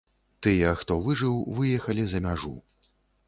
Тыя, хто выжыў, выехалі за мяжу.